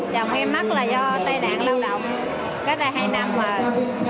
chồng em mất là do tai nạn lao động cách đây hai năm rồi